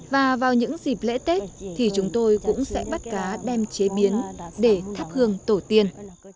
và vào những dịp lễ tết thì chúng tôi cũng sẽ bắt cá đem chế biến để thắp hương tổ tiên